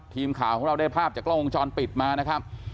ทีมข่าวของเราได้ภาพจากกล้องวงจรปิดมานะครับ